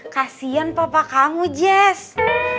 kasian papa kamu jess